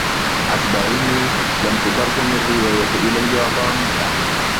حسب علمي ، لم تترجم الرواية إلى اليابانية.